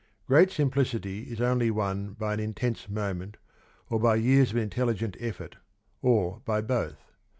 Great simplicity is only won by an intense moment or by years of intelligent effort, or by both.